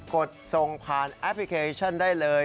ดส่งผ่านแอปพลิเคชันได้เลย